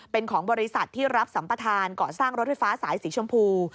เป็นของบริษัทที่รับสัมประธานเกาะสร้างรถไฟฟ้าสายสีชมพู